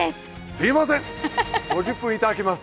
すいません５０分頂きます！